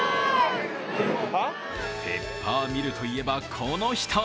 ペッパーミルといえば、この人。